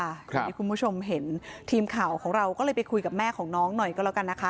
ที่คุณผู้ชมเห็นทีมข่าวของเราก็เลยไปคุยกับแม่ของน้องหน่อยก็แล้วกันนะคะ